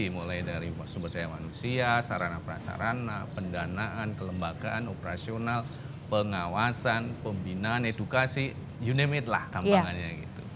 mulai dari sumber daya manusia sarana perasarana pendanaan kelembagaan operasional pengawasan pembinaan edukasi you name it lah tambangannya